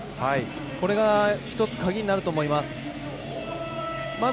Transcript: これが１つ鍵になると思います。